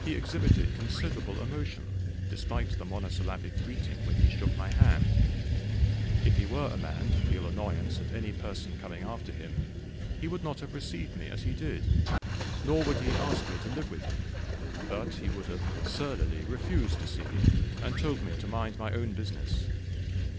He exhibited considerable emotion, despite the monosyllabic greeting, when he shook my hand. If he were a man to feel annoyance at any person coming after him, he would not have received me as he did, nor would he ask me to live with him, but he would have surlily refused to see me, and told me to mind my own business.